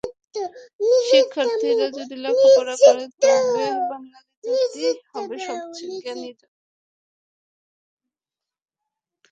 শিক্ষার্থীরা যদি লেখাপড়া করে তবে বাঙালি জাতি হবে সবচেয়ে জ্ঞানী জাতি।